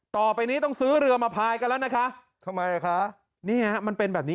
ต่อไปนี้ต้องซื้อเรือมาพายกันแล้วนะคะทำไมอ่ะคะนี่ฮะมันเป็นแบบนี้